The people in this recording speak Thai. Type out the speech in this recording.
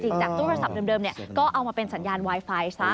จากตู้โทรศัพท์เดิมก็เอามาเป็นสัญญาณไวไฟซะ